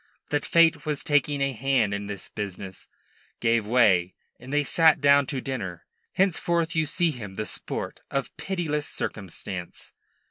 that Fate was taking a hand in this business, gave way, and they sat down to dinner. Henceforth you see him the sport of pitiless circumstance.